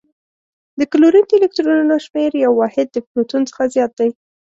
د کلورین د الکترونونو شمیر یو واحد د پروتون څخه زیات دی.